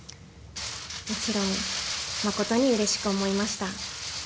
もちろん、誠にうれしく思いました。